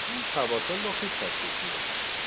او فواصل را خوب تشخیص میدهد.